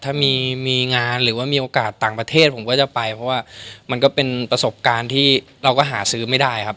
ถ้ามีมีงานหรือว่ามีโอกาสต่างประเทศผมก็จะไปเพราะว่ามันก็เป็นประสบการณ์ที่เราก็หาซื้อไม่ได้ครับ